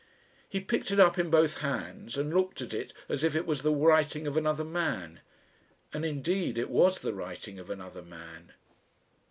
He picked it up in both hands and looked at it as if it was the writing of another man, and indeed it was the writing of another man.